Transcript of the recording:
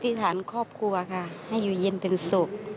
ฐานครอบครัวค่ะให้อยู่เย็นเป็นสุข